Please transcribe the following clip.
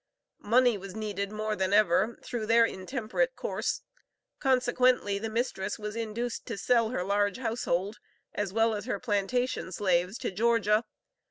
Money was needed more than ever, through their intemperate course, consequently the mistress was induced to sell her large household, as well as her plantation slaves, to Georgia.